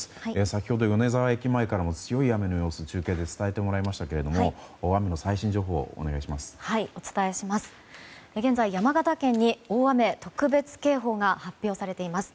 先ほど米沢駅前から強い雨の様子を中継で伝えてもらいましたが大雨の最新情報をお願いします。